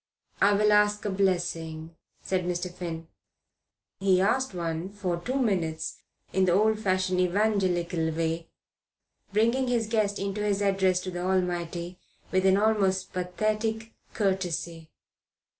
"I will ask a blessing," said Mr. Finn. He asked one for two minutes in the old fashioned Evangelical way, bringing his guest into his address to the Almighty with an almost pathetic courtesy.